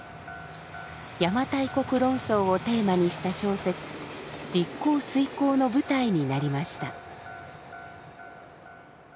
邪馬台国論争をテーマにした小説「陸行水行」の舞台になりました。